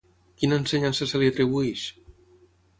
Quina ensenyança se li atribueix?